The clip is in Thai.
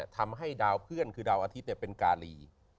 ทำให้ดาวเพื่อนคือดาวอาทิตย์เป็นกาลี